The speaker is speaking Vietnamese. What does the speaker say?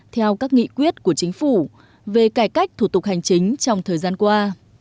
theo các nghị quyết của chính phủ về cải cách thủ tục hành chính trong thời gian qua